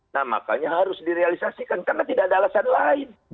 nah makanya harus direalisasikan karena tidak ada alasan lain